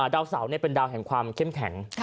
ดาวเสาเป็นดาวแห่งความเข้มแข็ง